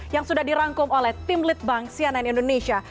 yang sudah dirangkum oleh tim lead bank cnn indonesia